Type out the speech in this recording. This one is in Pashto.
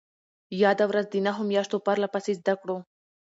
ياده ورځ د نهو مياشتو پرلهپسې زدهکړو